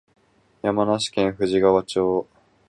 山梨県富士川町